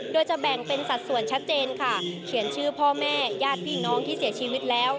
โดยจะแบ่งเป็นสัดส่วนชัดเจนค่ะเขียนชื่อพ่อแม่ญาติพี่น้องที่เสียชีวิตแล้ว